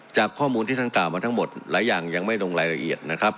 จากข้อมูลที่ท่านกล่าวมาทั้งหมดหลายอย่างยังไม่ลงรายละเอียดนะครับ